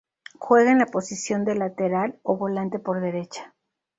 Juega en la posición de lateral o volante por derecha.